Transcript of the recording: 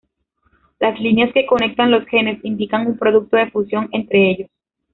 Las líneas que conectan los genes indican un producto de fusión entre ellos.